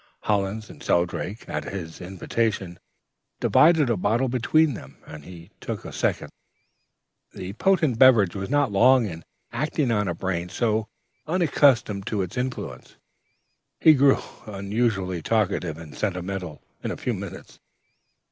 "Hollins and Shelldrake, at his invitation, divided a bottle between them, and he took a second. The potent beverage was not long in acting on a brain so unaccustomed to its influence. He grew unusually talkative and sentimental, in a few minutes.